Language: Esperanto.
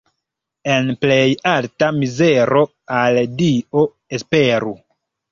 En plej alta mizero al Dio esperu.